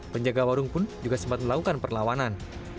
penjaga warung pun juga sempat melakukan perlawanan